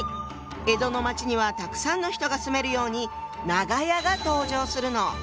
江戸の町にはたくさんの人が住めるように「長屋」が登場するの。